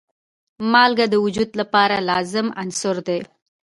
مالګه د وجود لپاره لازم عنصر دی.